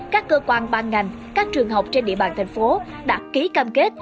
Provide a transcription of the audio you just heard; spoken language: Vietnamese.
các cơ quan ban ngành các trường học trên địa bàn thành phố đã ký cam kết